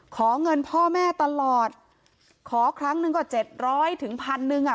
ขอเงินพ่อแม่ตลอดขอครั้งหนึ่งก็เจ็ดร้อยถึงพันหนึ่งอ่ะ